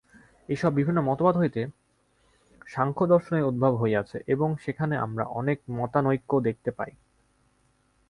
এইসব বিভিন্ন মতবাদ হইতে সাংখ্যদর্শনের উদ্ভব হইয়াছে এবং সেখানে আমরা অনেক মতানৈক্য দেখিতে পাই।